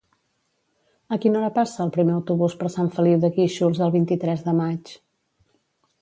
A quina hora passa el primer autobús per Sant Feliu de Guíxols el vint-i-tres de maig?